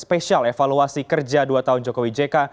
spesial evaluasi kerja dua tahun jokowi jk